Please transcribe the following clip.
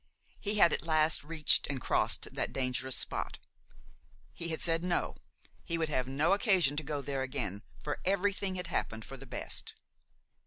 He had at last reached and crossed that dangerous spot: he had said no, he would have no occasion to go there again, for everything had happened for the best.